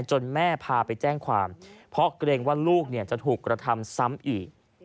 แม่พาไปแจ้งความเพราะเกรงว่าลูกจะถูกกระทำซ้ำอีก